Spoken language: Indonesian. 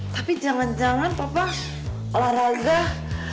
tapi jangan jangan papa olahraga buat mama ya pak